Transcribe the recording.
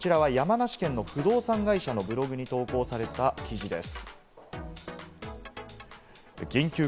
こちらは山梨県の不動産会社のブログに投稿された記事です。